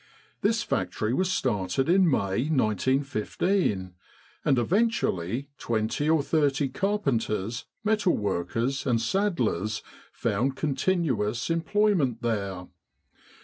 This factory was started in May, 1915, and eventually 20 or 30 carpenters, metal workers, and saddlers found continuous employment there.